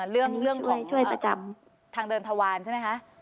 เรื่องของทางเดินทวารใช่ไหมคะ